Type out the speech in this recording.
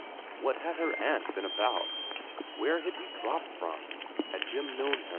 What had her aunt been about ? Where had he dropped from ? Had Jim known